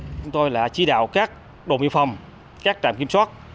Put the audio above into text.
chúng tôi là chỉ đạo các đội miệng phòng các trạm kiểm soát